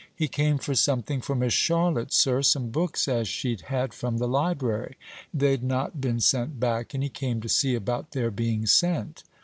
"He came for something for Miss Charlotte, sir; some books as she'd had from the library. They'd not been sent back; and he came to see about their being sent."